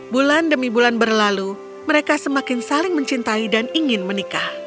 bulan demi bulan berlalu mereka semakin saling mencintai dan ingin menikah